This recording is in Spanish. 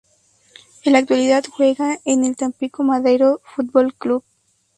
En la actualidad juega con el Tampico Madero Fútbol Club.